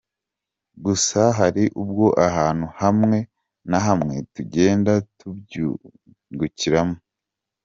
Gusa hari ubwo ahantu hamwe na hamwe tugenda tubyungukiramo.